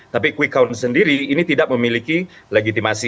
tapi kuikaun sendiri ini tidak memiliki legitimasi